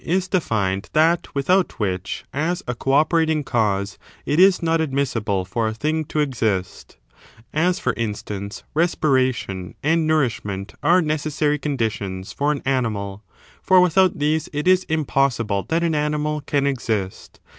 119 CHAPTER V. Necessabt^ is defined that without which, as a co operating cause, it is not admissible for meanings of a thing to exist; as, for instance, respiration t^termNeces and nourishment are necessary conditions for an animal : for without these it is impossible that an animal can exist.